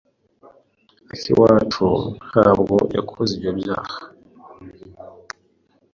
Akiwacu ntabwo yakoze ibyo byaha.